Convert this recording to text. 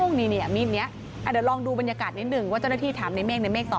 ตรงนี้นะจำไหนนะเขาเสียเวลาในการงมโหลล์ล่ะ